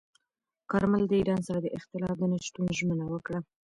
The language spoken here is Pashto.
کارمل د ایران سره د اختلاف د نه شتون ژمنه وکړه.